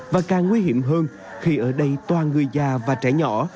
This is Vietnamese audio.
và càng nguy hiểm hơn khi ở đây toàn người già và trẻ nhỏ